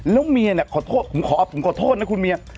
แล้วเมียเนี่ยขอโทษผมขอผมขอโทษนะคุณเมีย